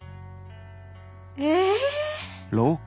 え。